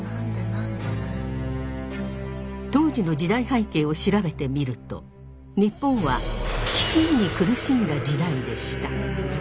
当時の時代背景を調べてみると日本は飢饉に苦しんだ時代でした。